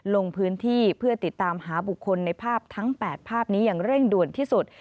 ลงพื้นที่เพื่อติดตามหาบุคคลในภาพทั้ง๘ภาพนี้อย่างเร่งด่วนที่สุด